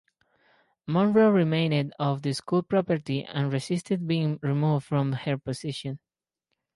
Monroe remained on the school property and resisted being removed from her position.